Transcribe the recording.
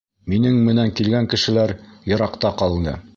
Минең менән килгән кешеләр йыраҡта ҡалды.